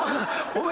お前。